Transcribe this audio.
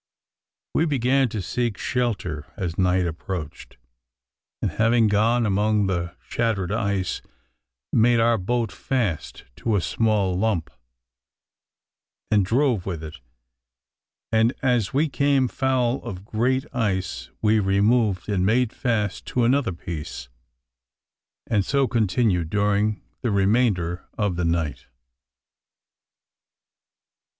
We began to seek shelter as night approached; and, having gone among the shattered ice, made our boat fast to a small lump, and drove with it; and as we came foul of great ice, we removed and made fast to another piece, and so continued during the remainder of the night.